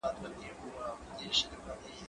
زه به سبا پوښتنه کوم!.